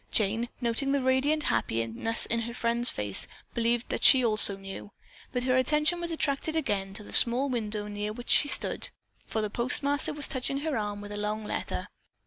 Jane, noting the radiant happiness in her friend's face, believed that she also knew, but her attention was attracted again to the small window near which she stood, for the postmaster was touching her arm with a long letter.